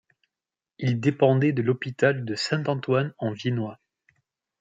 Il dépendait de l'hôpital de Saint-Antoine en Viennois.